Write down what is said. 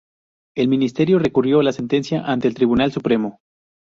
El ministerio recurrió la sentencia ante el Tribunal Supremo.